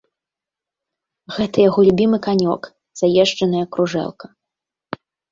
Гэта яго любімы канёк, заезджаная кружэлка.